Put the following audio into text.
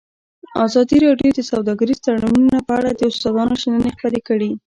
ازادي راډیو د سوداګریز تړونونه په اړه د استادانو شننې خپرې کړي.